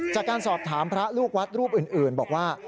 จากการสอบถามพระลูกวัดรูปอื่นบอกว่า